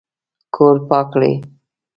کور پاک کړئ